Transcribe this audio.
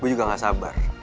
gue juga gak sabar